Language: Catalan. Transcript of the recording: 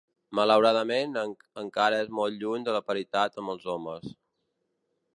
Malauradament, encara és molt lluny de la paritat amb els homes.